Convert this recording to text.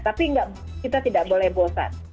tapi kita tidak boleh bosan